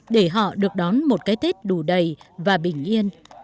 để họ được đón một cái tết đủ đầy và bình yên